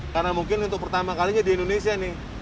karena mungkin untuk pertama kalinya di indonesia nih